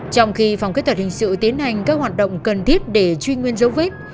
trong khi phòng kết thật hình sự tiến hành các hoạt động cần thiết để truy nguyên dấu vết